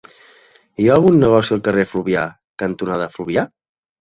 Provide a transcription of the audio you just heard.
Hi ha algun negoci al carrer Fluvià cantonada Fluvià?